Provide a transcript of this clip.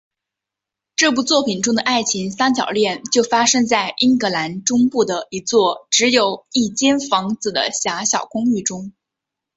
这部作品中的爱情三角恋就发生在英格兰中部的一座只有一间房子的狭小公寓中。